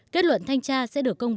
kết luận thanh tra sẽ được tham gia